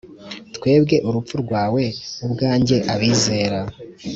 twebwe urupfu rwawe ubwanjye abizera